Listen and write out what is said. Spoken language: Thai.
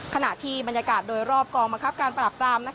ขณะที่บรรยากาศโดยรอบกองบังคับการปราบปราม